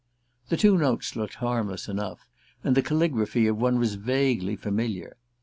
The two notes looked harmless enough, and the calligraphy of one was vaguely familiar.